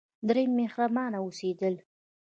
دریم: مهربانه اوسیدل.